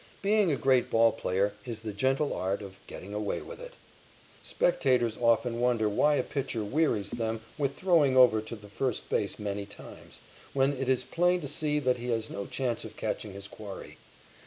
Being a great ball player is the gentle art of getting away with it. Spectators often wonder why a pitcher wearies them with throwing over to the first base many times, when it is plain to see that he has no chance of catching his quarry.